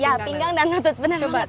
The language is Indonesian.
ya pinggang dan lutut benar mbak